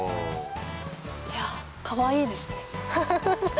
いやかわいいですねハハハ。